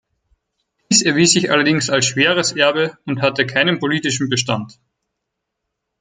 Dieses erwies sich allerdings als schweres Erbe und hatte keinen politischen Bestand.